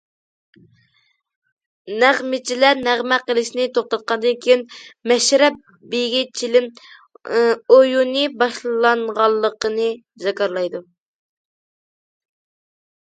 نەغمىچىلەر نەغمە قىلىشنى توختاتقاندىن كېيىن، مەشرەپ بېگى چىلىم ئويۇنى باشلانغانلىقىنى جاكارلايدۇ.